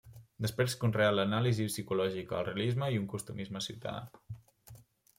Després conreà l'anàlisi psicològica, el realisme i un costumisme ciutadà.